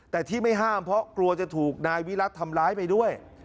แต่ที่ไม่ห้ามเพราะกลัวจะถูกนายวิรัติทำร้ายไปด้วย